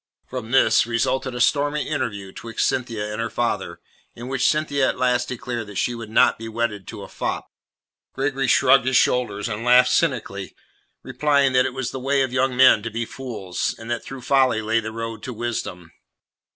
From this resulted a stormy interview 'twixt Cynthia and her father, in which Cynthia at last declared that she would not be wedded to a fop. Gregory shrugged his shoulders and laughed cynically, replying that it was the way of young men to be fools, and that through folly lay the road to wisdom.